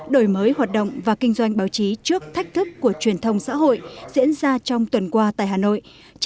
đổi mới hoạt động và kinh doanh báo chí trước thách thức của truyền thông xã hội diễn ra trong tuần qua tại hà nội